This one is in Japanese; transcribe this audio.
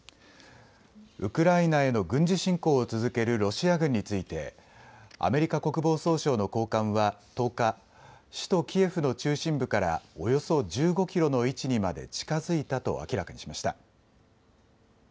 ウクライナへの軍事侵攻を続けるロシア軍についてアメリカ国防総省の高官は１０日、首都キエフの中心部からおよそ１５キロの位置にまで近づいたと明らかにしました。